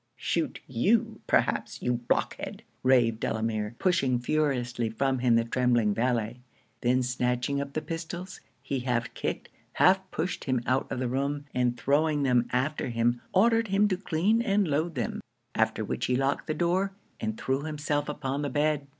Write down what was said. _' 'Shoot you perhaps, you blockhead!' raved Delamere, pushing furiously from him the trembling valet then snatching up the pistols, he half kicked, half pushed him out of the room, and throwing them after him, ordered him to clean and load them: after which he locked the door, and threw himself upon the bed.